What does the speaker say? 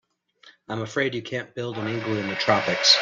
I'm afraid you can't build an igloo in the tropics.